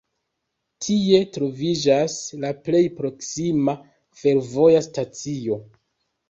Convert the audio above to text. Tie troviĝas la plej proksima fervoja stacio.